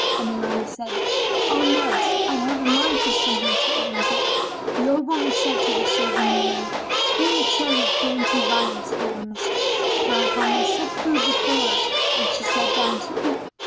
and Naomi said, "O nurse, I have a mind for something to eat and drink." The old woman said to the serving women, "Bring a tray of dainty viands for your mistress;" whereupon they set food before her and she sat down to eat.